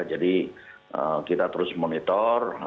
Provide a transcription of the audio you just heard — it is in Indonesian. jadi kita terus monitor